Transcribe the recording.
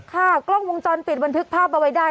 กล้องวงจรปิดบันทึกภาพเอาไว้ได้